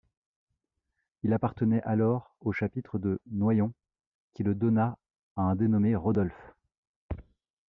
Il appartenait alors au chapitre de Noyon, qui le donna à un dénommé Rodolphe.